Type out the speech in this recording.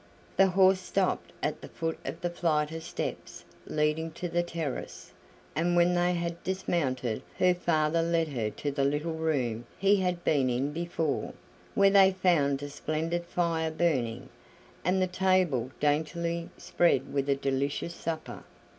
The horse stopped at the foot of the flight of steps leading to the terrace, and when they had dismounted her father led her to the little room he had been in before, where they found a splendid fire burning, and the table daintily spread with a delicious supper.